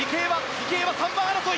池江は３番争い！